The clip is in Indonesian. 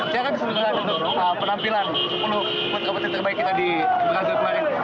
sekarang sudah ada penampilan sepuluh kompetitor terbaik kita di perangkat kemarin